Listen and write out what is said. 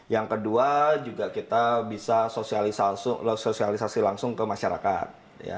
yang kedua juga kita bisa sosialisasi langsung ke masyarakat